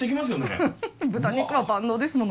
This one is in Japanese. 豚肉は万能ですもの。